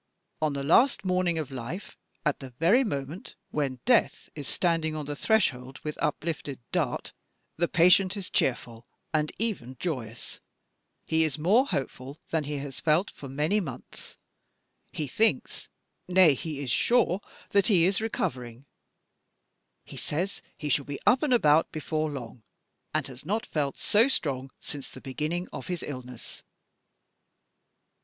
On the last morning of life, at the very moment when Death is standing on the threshold with uplifted dart, the patient is cheerful and even joyous: he is more hopeful than he has felt for many months: he thinks nay, he is sure that he is recovering: he says he shall be up and about before long: he has not felt so strong since the beginning of his illness.